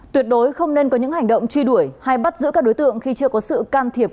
tuyệt đối không nên có những hành động truy đuổi hay bắt giữ các đối tượng khi chưa có sự can thiệp